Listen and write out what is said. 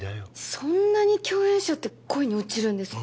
そんなに共演者って恋に落ちるんですか？